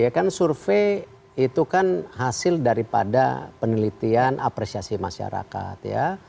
ya kan survei itu kan hasil daripada penelitian apresiasi masyarakat ya